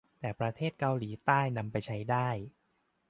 ในประเทศเกาหลีใต้นำไปใช้ได้